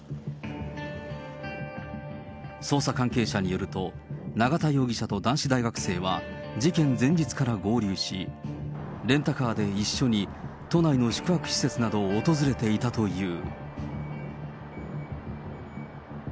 捜査関係者によると、永田容疑者と男子大学生は事件前日から合流し、レンタカーで一緒に都内の宿泊施設などを訪れていたという。